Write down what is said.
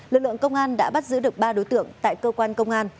lực lượng công an đã bắt giữ được ba đối tượng tại cơ quan công an